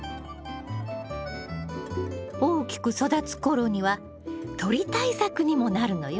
大きく育つ頃には鳥対策にもなるのよ。